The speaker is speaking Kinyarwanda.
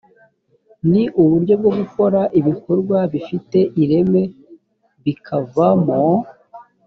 ni uburyo bwo gukora ibikorwa bifite ireme bikavamo